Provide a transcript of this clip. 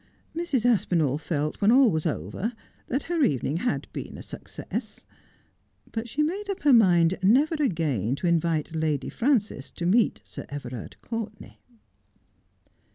Mrs. Aspinall felt when all was over that her evening had been a success ; but she made up her mind never again to invite Lady Frances to meet Sir Everard Courtenay.